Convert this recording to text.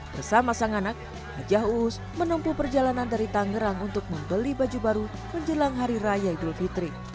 bersama sang anak hajah uus menempuh perjalanan dari tangerang untuk membeli baju baru menjelang hari raya idul fitri